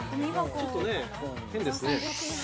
◆ちょっとね、変ですね。